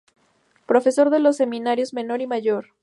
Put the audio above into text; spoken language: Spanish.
Profesor de los seminarios Menor y Mayor.